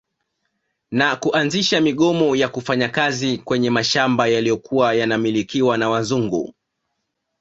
Na kuanzisha migomo ya kufanya kazi kwenye mashamba yaliyokuwa yanamilkiwa na wazungu